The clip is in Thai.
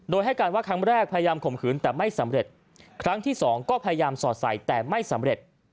โดยให้การว่าครั้งแรกพยายามข่มขืนแต่ไม่สำเร็จครั้งที่สองก็พยายามสอดใส่แต่ไม่สำเร็จ